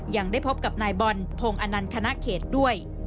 ยังได้พบกับนายบอลพงศ์อนันต์คณะเขตด้วย